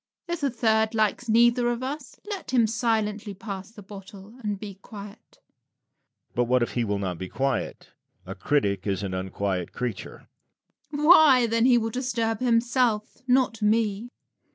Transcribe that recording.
If a third likes neither of us, let him silently pass the bottle and be quiet. Lucian. But what if he will not be quiet? A critic is an unquiet creature. Rabelais. Why, then he will disturb himself, not me.